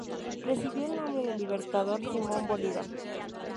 Recibió el nombre del Libertador Simón Bolívar.